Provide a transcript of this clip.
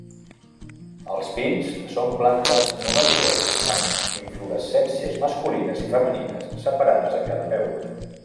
Els pins són plantes monoiques, amb inflorescències masculines i femenines separades en cada peu.